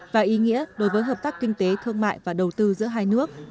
và ý nghĩa đối với hợp tác kinh tế thương mại và đầu tư giữa hai nước